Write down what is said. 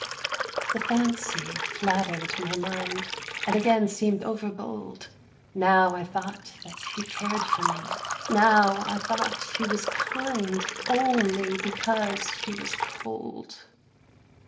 3. The fancy flatter'd my mind, And again seem'd overbold; Now I thought that she cared for me, Now I thought she was kind Only because she was cold.